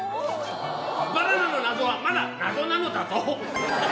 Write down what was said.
バナナの謎はまだ謎なのだぞ。